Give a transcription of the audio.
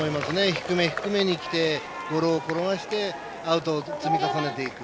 低め低めにきてゴロを転がしてアウトを積み重ねていく。